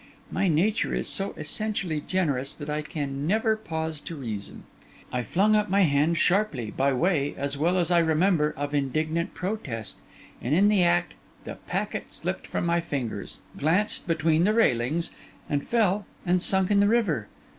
My nature is so essentially generous that I can never pause to reason. I flung up my hand sharply, by way, as well as I remember, of indignant protest; and, in the act, the packet slipped from my fingers, glanced between the railings, and fell and sunk in the river.